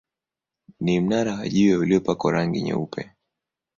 Ni mnara wa jiwe uliopakwa rangi nyeupe.